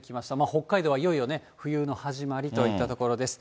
北海道はいよいよね、冬の始まりといったところです。